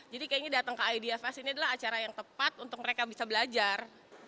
jadi kayaknya datang ke idea fest ini adalah acara yang tepat untuk mereka bisa belajar